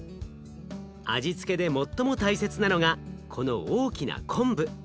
味付けで最も大切なのがこの大きな昆布。